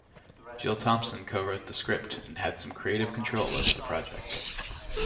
Jill Thompson co-wrote the script, and had some creative control over the project.